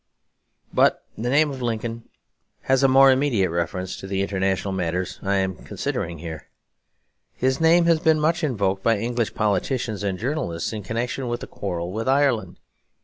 But the name of Lincoln has a more immediate reference to the international matters I am considering here. His name has been much invoked by English politicians and journalists in connection with the quarrel with Ireland.